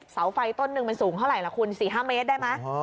เสาไฟต้นหนึ่งมันสูงเท่าไหร่ล่ะคุณ๔๕เมตรได้ไหม